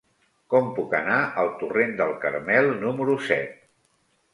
Com puc anar al torrent del Carmel número set?